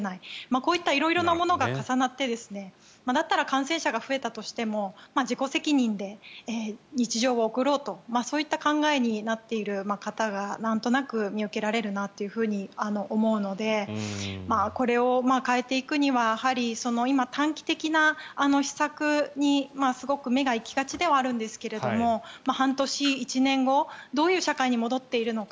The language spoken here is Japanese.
こういった色々なものが重なってだったら感染者が増えたとしても自己責任で日常を送ろうとそういった考えになっている方がなんとなく見受けられるなと思うのでこれを変えていくにはやはり今、短期的な施策にすごく目が行きがちではあるんですが半年、１年後どういう社会に戻っているのか。